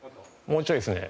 もうちょいですね。